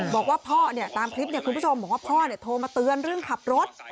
บอกว่าพ่อตามคลิปคุณผู้ชมบอกว่าพ่อโทรมาเตือนเรื่องขับรถ